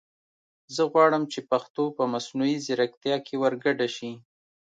زه غواړم چې پښتو په مصنوعي زیرکتیا کې ور ګډه شي